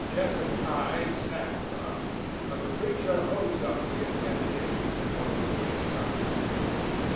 Jessup's eyes snapped some; but the preacher holds up the incantations according to instructions.